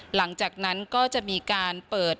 หลังจากนั้นก็จะมีการเปิด